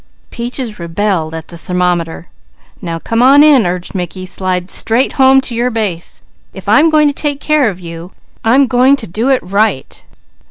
Peaches rebelled at the thermometer. "Now come on in," urged Mickey. "Slide straight home to your base! If I'm going to take care of you, I'm going to right.